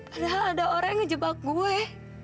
padahal ada orang yang ngejebak gue